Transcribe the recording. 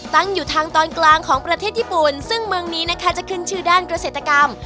ตั้งอยู่ทางตอนกลางของประเทศญี่ปุ่นซึ่งเมืองนี้นะคะจะขึ้นชื่อด้านเกษตรกรรม